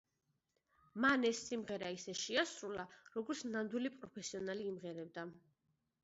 მან ეს სიმღერა ისე შეასრულა, როგორც ნამდვილი პროფესიონალი იმღერებდა.